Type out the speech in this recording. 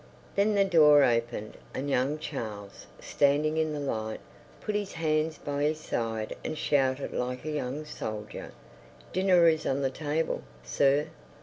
Then the door opened, and young Charles, standing in the light, put his hands by his side and shouted like a young soldier, "Dinner is on the table, sir!"